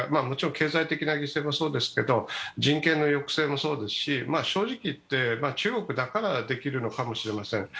もちろん経済的な犠牲もですが人権の抑制もそうですし正直言って、中国だからできるのかもしれません。